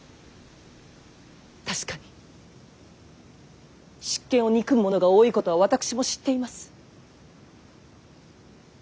確かに執権を憎む者が多いことは私も知っています。